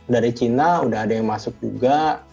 dari china udah ada yang masuk juga